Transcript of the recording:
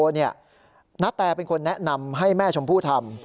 นาแตเป็นคนแนะนำให้แม่ชมพู่ทำ